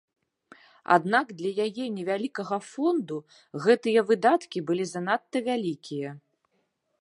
Аднак для яе невялікага фонду гэтыя выдаткі былі занадта вялікія.